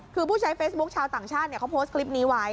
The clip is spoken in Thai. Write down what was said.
คือผู้ใช้เฟซบุ๊คชาวต่างชาติเขาโพสต์คลิปนี้ไว้